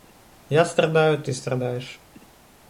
Я страдаю, ты страдаешь.